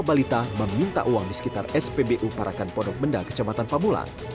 balita meminta uang di sekitar spbu parakan pondok benda kecamatan pamulang